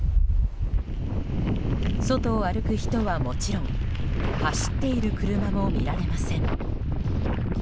外を歩く人はもちろん走っている車も見られません。